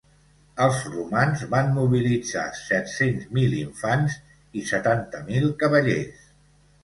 Els romans van mobilitzar set-cents mil infants i setanta mil cavallers.